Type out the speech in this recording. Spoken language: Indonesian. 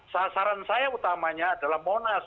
sasaran saya utamanya adalah monas